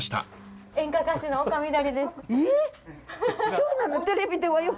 そうなの？